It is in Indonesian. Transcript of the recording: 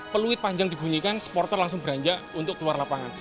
peluit panjang dibunyikan supporter langsung beranjak untuk keluar lapangan